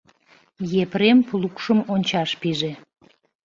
Епрем плугшым ончаш пиже.